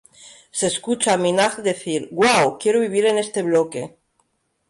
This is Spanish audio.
Se escucha a Minaj decir, "Wow, quiero vivir en este bloque".